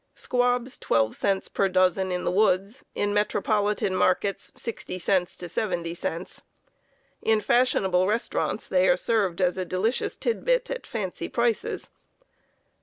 Squabs twelve cents per dozen in the woods, in metropolitan markets sixty cents to seventy cents. In fashionable restaurants they are served as a delicious tid bit at fancy prices.